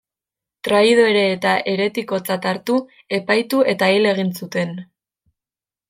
Traidore eta heretikotzat hartu, epaitu eta hil egin zuten.